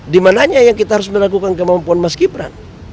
dimananya yang kita harus melakukan kemampuan mas gibran